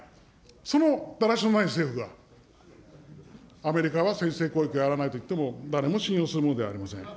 そのだらしのない政府が、アメリカは先制攻撃をやらないと言っても、誰も信用するものではありません。